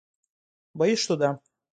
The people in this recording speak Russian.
Боюсь, что да.